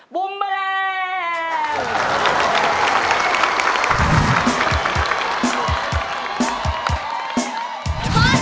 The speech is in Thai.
บุมแมลง